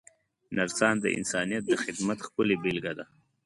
نرسان د انسانیت د خدمت ښکلې بېلګه ده.